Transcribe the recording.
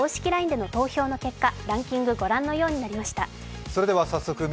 ＬＩＮＥでの投票の結果、ランキングは御覧のようになりました。